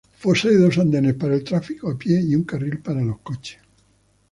Posee dos andenes para el tráfico a pie y un carril para los coches.